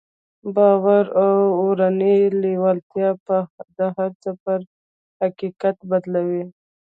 باور او اورنۍ لېوالتیا هر څه پر حقيقت بدلوي.